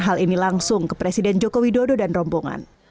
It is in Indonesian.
hal ini langsung ke presiden jokowi dodo dan rombongan